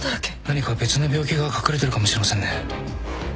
何か別の病気が隠れてるかもしれませんね。